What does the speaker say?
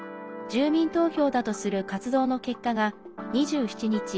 住民投票だとする活動の結果が２７日